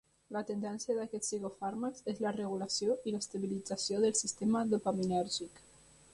La tendència d'aquests psicofàrmacs és la regulació i l'estabilització del sistema dopaminèrgic.